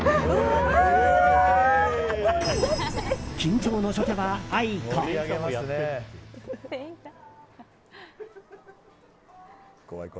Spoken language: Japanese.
緊張の初手は、あいこ。